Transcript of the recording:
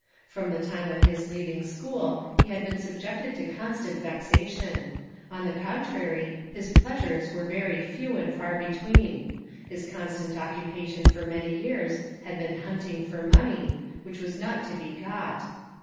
From the time of his leaving school he had been subjected to constant vexation; on the contrary, his pleasures were very few and far between; his constant occupation for many years had been hunting for money, which was not to be got.